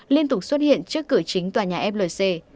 liên tục xuất hiện trước cửa chính tòa nhà flc